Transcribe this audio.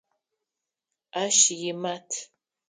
Ащ имат.